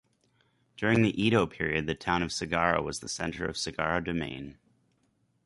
During the Edo period, the town of Sagara was the center of Sagara Domain.